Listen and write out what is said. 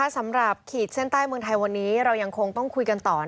ขีดเส้นใต้เมืองไทยวันนี้เรายังคงต้องคุยกันต่อ